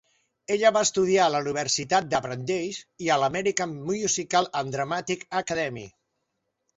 Ella va estudiar a la Universitat de Brandeis i a l'American Musical and Dramatic Academy.